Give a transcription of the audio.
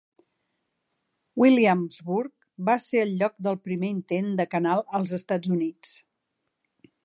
Williamsburg va ser el lloc del primer intent de canal als Estats Units.